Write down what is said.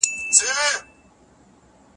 کټ